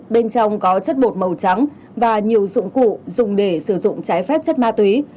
bên trong có chất bột màu trắng và nhiều dụng cụ dùng để sử dụng trái phép chất ma túy